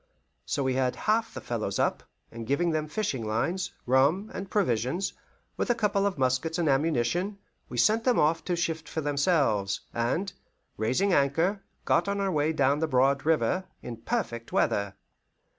So we had half the fellows up, and giving them fishing lines, rum, and provisions, with a couple of muskets and ammunition, we sent them off to shift for themselves, and, raising anchor, got on our way down the broad river, in perfect weather.